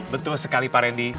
betul sekali pak rendy